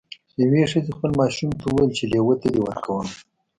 یوې ښځې خپل ماشوم ته وویل چې لیوه ته دې ورکوم.